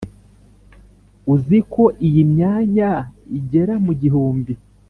uziko iyi myanya igera mu gihumbi